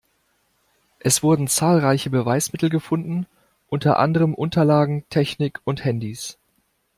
Es wurden zahlreiche Beweismittel gefunden, unter anderem Unterlagen, Technik und Handys.